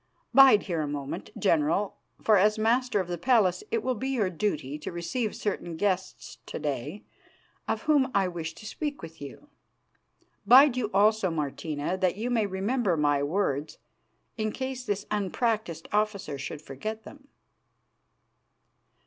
Bide here a moment, General, for as Master of the Palace it will be your duty to receive certain guests to day of whom I wish to speak with you. Bide you also, Martina, that you may remember my words in case this unpractised officer should forget them."